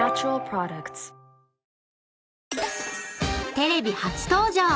［テレビ初登場！